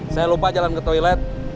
saya lupa jalan ke toilet